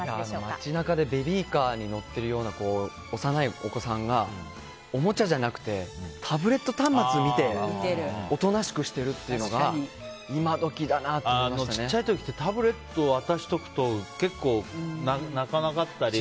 街中でベビーカーに乗っているような小さなお子さんがおもちゃじゃなくてタブレット端末を見ておとなしくしているってのが小さい時ってタブレットを渡しておくと泣かなかったり。